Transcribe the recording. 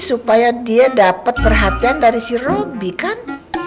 supaya dia dapat perhatian dari si robi kan